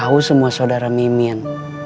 tahu semua saudara mimin